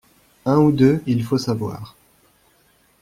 Un ou deux il faut savoir.